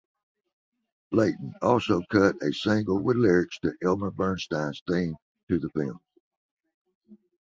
Leyton also cut a single with lyrics to Elmer Bernstein's theme to the film.